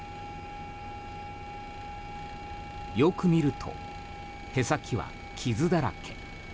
よく見ると、舳先は傷だらけ。